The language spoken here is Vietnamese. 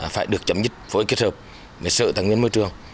phải được chấm dứt phối kết hợp với sự thắng nhân môi trường